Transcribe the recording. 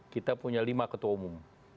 kita punya lima ketua umum